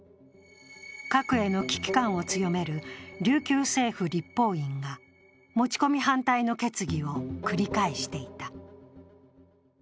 核への危機感を強める琉球政府立法院が、持ち込み反対の決議を繰り返していた。